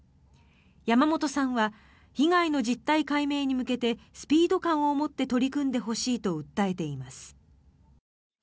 山本さんは被害の実態解明に向けてスピード感を持って取り組んでほしいと訴えています。